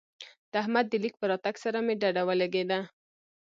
د احمد د ليک په راتګ سره مې ډډه ولګېده.